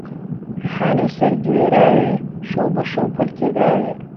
رهیحانهی سهر دوێراوێ، شهو به شهو پهلکێ داوێ